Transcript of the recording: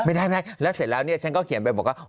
ไม่ได้แผ่นไปแล้วนี่ฉันก็เขียนไปบอกว่า